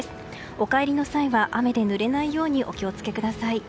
お帰りの際は雨でぬれないようにお気を付けください。